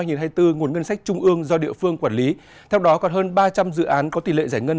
nguồn ngân sách trung ương do địa phương quản lý theo đó còn hơn ba trăm linh dự án có tỷ lệ giải ngân